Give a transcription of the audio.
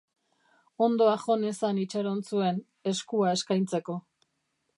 Hondoa jo nezan itxaron zuen, eskua eskaintzeko.